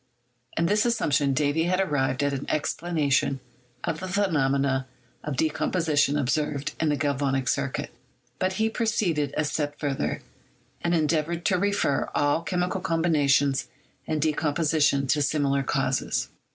In this assumption Davy had arrived at an explanation of the phenomena of decomposition observed in the galvanic circuit. But he proceeded a step further, and endeavored to refer all chemical combination and decomposition to similar causes.